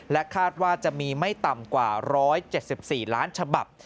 คาดว่าจะมีไม่ต่ำกว่า๑๗๔ล้านฉบับ